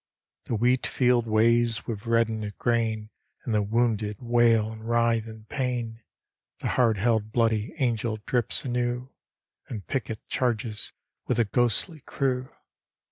The wheat field waves with reddened grain And the wounded wail and writhe in pain. The hard held Bloody Angle drips anew And Pickett chaises with a ghostly crew.